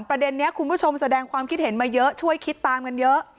ประเด็นนี้คุณผู้ชมแสดงความคิดเห็นมาเยอะช่วยคิดตามกันเยอะ